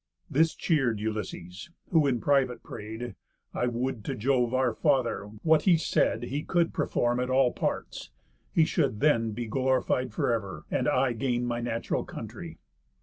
This cheer'd Ulysses, who in private pray'd: "I would to Jove our Father, what he said, He could perform at all parts; he should then Be glorified for ever, and I gain My natural country."